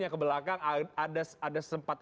yang kebelakang ada sempat